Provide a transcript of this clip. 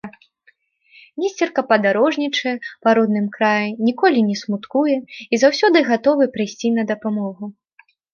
Несцерка падарожнічае па родным краі, ніколі не смуткуе і заўсёды гатовы прыйсці на дапамогу.